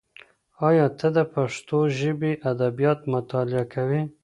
ایا ته د پښتو ژبې ادبیات مطالعه کوې؟